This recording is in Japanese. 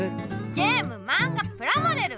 ゲームマンガプラモデル。